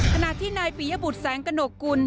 ขณะที่นายปียบุตรแสงกระหนกกุล